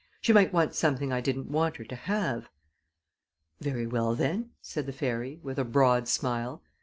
She might want something I didn't want her to have." "Very well, then," said the fairy, with a broad smile.